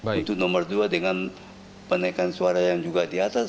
untuk nomor dua dengan penaikan suara yang juga di atas